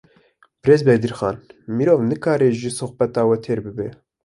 Birêz Bedirxan, meriv nikare ji sohbeta we têr bibe